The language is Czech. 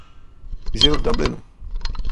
Žil v Dublinu.